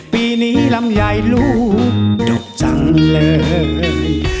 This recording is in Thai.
ปีนี้ลำไยลูกดกจังเลย